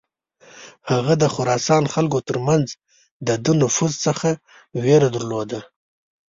هغه د خراسان خلکو تر منځ د ده نفوذ څخه ویرېده.